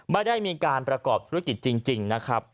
ไม่ได้มีการประกอบธุรกิจจริงนะครับ